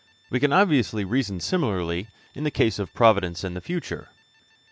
We can obviously reason similarly in the case of providence and the future.